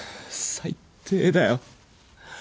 最っ低だよ。